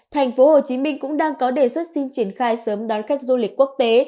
thành phố hồ chí minh cũng đang có đề xuất xin triển khai sớm đón khách du lịch quốc tế